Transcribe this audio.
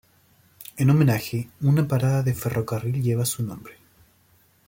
En homenaje, una parada de ferrocarril lleva su nombre.